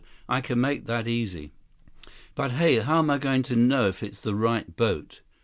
I can make that easy. But, hey, how am I going to know if it's the right boat?